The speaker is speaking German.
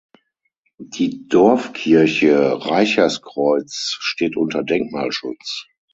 Die Dorfkirche Reicherskreuz steht unter Denkmalschutz.